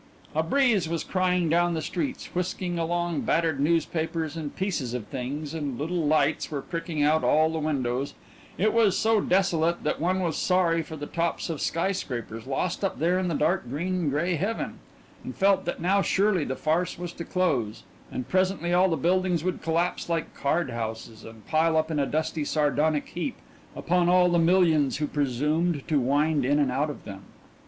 A breeze was crying down the streets, whisking along battered newspapers and pieces of things, and little lights were pricking out all the windows it was so desolate that one was sorry for the tops of sky scrapers lost up there in the dark green and gray heaven, and felt that now surely the farce was to close, and presently all the buildings would collapse like card houses, and pile up in a dusty, sardonic heap upon all the millions who presumed to wind in and out of them.